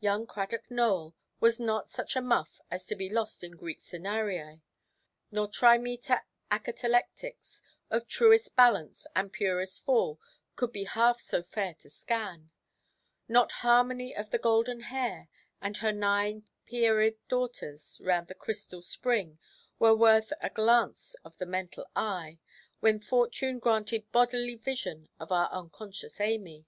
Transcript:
Young Cradock Nowell was not such a muff as to be lost in Greek senarii; no trimeter acatalectics of truest balance and purest fall could be half so fair to scan; not "Harmony of the golden hair", and her nine Pierid daughters round the crystal spring, were worth a glance of the mental eye, when fortune granted bodily vision of our unconscious Amy.